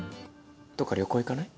どっか旅行行かない？